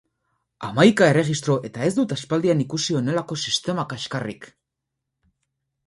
Hamaika erregistro eta ez dut aspaldian ikusi honelako sistema kaxkarrik!